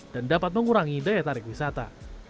dan dapat mengurangi daya tarik wisata